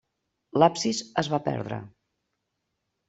L'absis es va perdre.